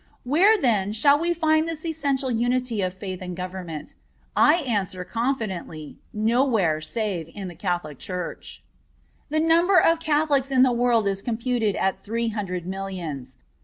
Where, then, shall we find this essential unity of faith and government? I answer, confidently, nowhere save in the Catholic Church. The number of Catholics in the world is computed at three hundred millions.